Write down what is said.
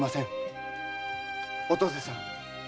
お登世さん。